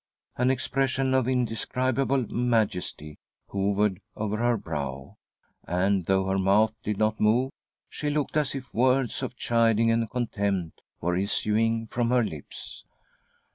An expression of indescribable majesty hovered over her brow, and, though her mouth did not move, she looked as if words of chiding and contempt were issuing from her lips.